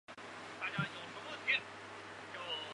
这种现象被称为盈余惯性。